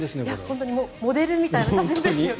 本当にモデルみたいな写真ですね。